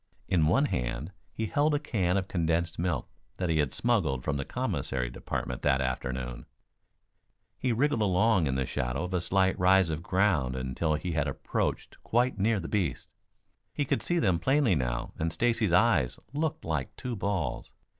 In one hand he held a can of condensed milk that he had smuggled from the commissary department that afternoon. He wriggled along in the shadow of a slight rise of ground until he had approached quite near the beasts. He could see them plainly now and Stacy's eyes looked like two balls.